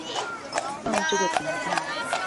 到這個頻道